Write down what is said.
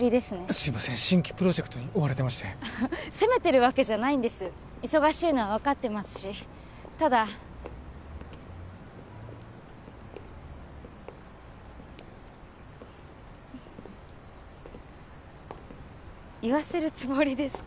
すいません新規プロジェクトに追われてまして責めてるわけじゃないんです忙しいのは分かってますしただ言わせるつもりですか？